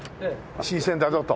新鮮だぞと。